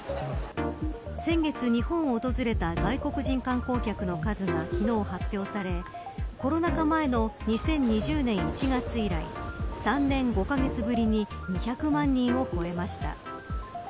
先月、日本を訪れた外国人観光客の数が昨日発表されコロナ禍前の２０２０年１月以来３年５カ月ぶりに２００万人を超えました。